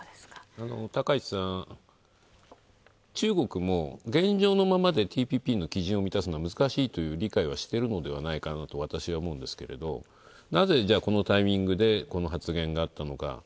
高市さん、中国も現状のままでＴＰＰの基準を満たすのは難しいという理解はしてるのではないかなと私は思うんですけれどなぜ、このタイミングでこの発言があったのか。